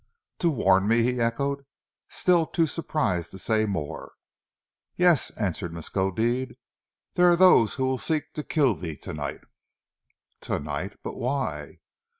"To warn me?" he echoed, still too surprised to say more. "Yes," answered Miskodeed. "There are those who will seek to kill thee tonight." "Tonight! But why?"